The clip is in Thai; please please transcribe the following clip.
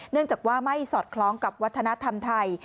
เนื่องจากว่าไม่สอดคล้องกับวัฒนธรรมไทย